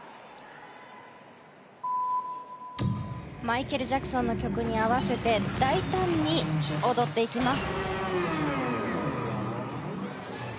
マイケル・ジャクソンの曲に合わせて大胆に踊っていきます。